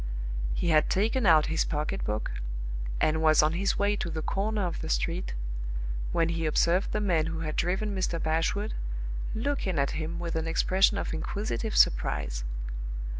He had taken out his pocket book, and was on his way to the corner of the street, when he observed the man who had driven Mr. Bashwood looking at him with an expression of inquisitive surprise.